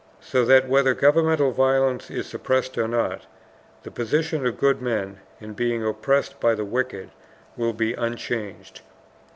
So that whether governmental violence is suppressed or not, the position of good men, in being oppressed by the wicked, will be unchanged.